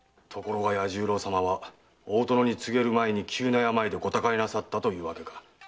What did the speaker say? ところが弥十郎様は大殿に告げる前に急な病でご他界なさったというわけか。